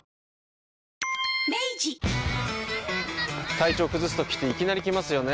体調崩すときっていきなり来ますよね。